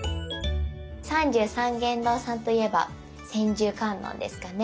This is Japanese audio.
三十三間堂さんといえば千手観音ですかね。